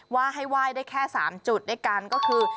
ว่าให้ไหว้ได้แค่๓จุดด้วยกันก็คือ